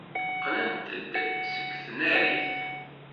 Qqlent-d seg tnarit.